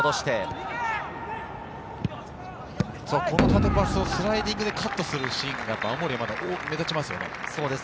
このパスをスライディングでカットするシーンが青森山田、目立ちますよね。